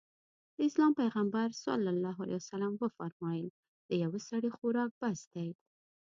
د اسلام پيغمبر ص وفرمايل د يوه سړي خوراک بس دی.